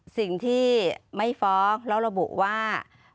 สิ่งที่ไม่ฟ้องแล้วระบุว่า